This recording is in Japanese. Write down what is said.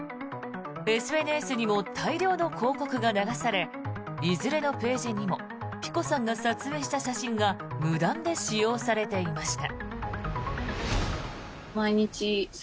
ＳＮＳにも大量の広告が流されいずれのページにもｐｉｃｏさんが撮影した写真が無断で使用されていました。